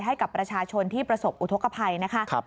ให้กับประชาชนที่ประสบอุทธกภัยนะคะ